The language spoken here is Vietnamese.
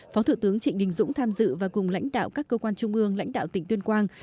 phó thủ tướng trịnh đình dũng tham dự và cùng lãnh đạo các cơ quan trung ương lãnh đạo tỉnh tuyên quang